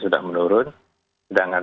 sudah meningkat sampai ketinggalan